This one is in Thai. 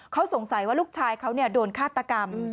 เขาสงสัยว่าลูกชายเขาโดนฆาตกรรม